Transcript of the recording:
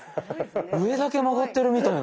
上だけ曲がってるみたいな。